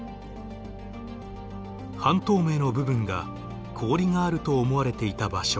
半透明の部分が氷があると思われていた場所。